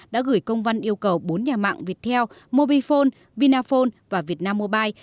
đã gửi công văn yêu cầu bốn nhà mạng viettel mobifone vinaphone và vietnam mobile